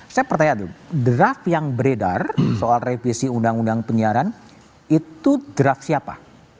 saya percaya dulu draft yang beredar soal revisi undang undang penyiaran itu draft siapa